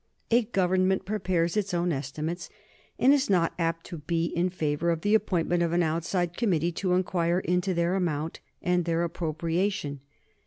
A government prepares its own estimates, and is not apt to be in favor of the appointment of an outside committee to inquire into their amount and their appropriation.